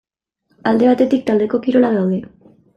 Alde batetik taldeko kirolak daude.